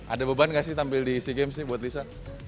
ada beban gak sih tampil di sea games nih buat lisa